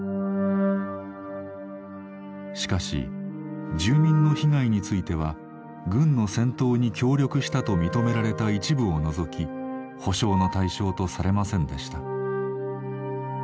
しかし住民の被害については軍の戦闘に協力したと認められた一部を除き補償の対象とされませんでした。